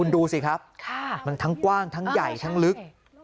ดูสิครับมันทั้งกว้างทั้งใหญ่ทั้งลึก